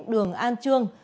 đường an trương